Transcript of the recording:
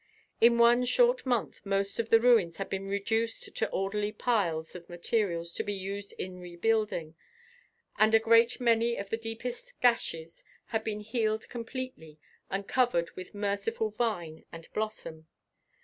In one short month most of the ruins had been reduced to orderly piles of material to be used in rebuilding, and a great many of the deepest gashes had been healed completely and covered with merciful vine and blossom.